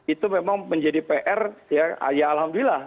itu memang menjadi pr ya alhamdulillah